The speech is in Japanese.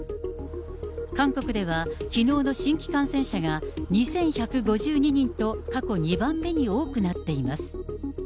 韓国では、きのうの新規感染者が２１５２人と過去２番目に多くなっています。